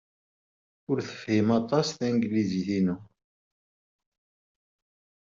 Ur tefhim aṭas tanglizit-inu.